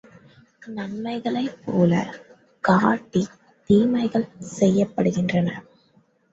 நன்மைகளைப்போலக் காட்டித் தீமைகள் செயல்படுகின்றன.